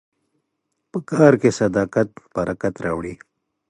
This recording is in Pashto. په کار کې صداقت برکت راوړي.